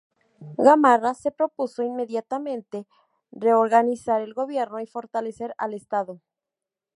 Gamarra se propuso inmediatamente reorganizar el gobierno y fortalecer al estado.